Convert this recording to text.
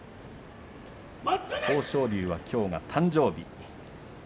豊昇龍はきょうが誕生日。